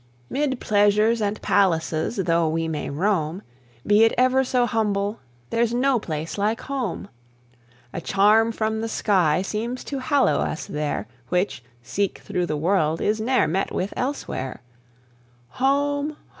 'Mid pleasures and palaces though we may roam, Be it ever so humble, there's no place like home; A charm from the sky seems to hallow us there, Which, seek through the world, is ne'er met with elsewhere. Home!